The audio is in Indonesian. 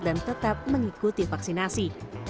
dan tetap mengikuti vaksinasi